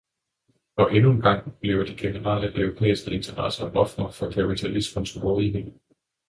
Endnu en gang bliver de generelle europæiske interesser ofre for kapitalismens grådighed.